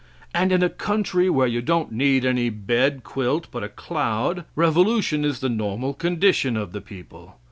And in a country where you don't need any bed quilt but a cloud, revolution is the normal condition of the people.